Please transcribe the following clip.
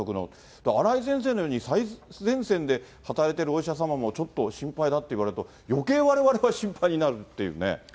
だから、荒井先生のように最前線で働いてるお医者様も、ちょっと心配だって言われると、よけいわれわれが心配になるっていうね。